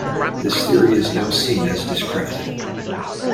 This theory is now seen as discredited.